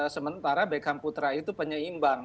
sementara beckham putra itu penyeimbang